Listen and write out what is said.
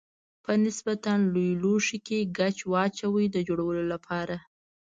په نسبتا لوی لوښي کې ګچ واچوئ د جوړولو لپاره.